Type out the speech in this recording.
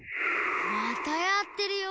またやってるよ。